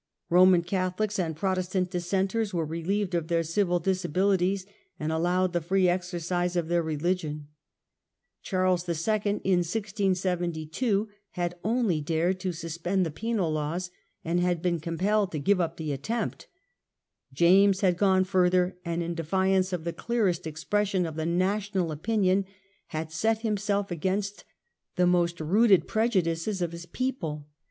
TheDeciara Ronian Catholics and Protestant Dissenters tion". ^ere relieved of their civil disabilities, and allowed the free exercise of their religion. Charles II., in 1672, had only dared to suspend the penal laws, and had been compelled to give up the attempt. James had gone further, and in defiance of the clearest expression of the national opinion had set himself against the most rooted prejudices of his people.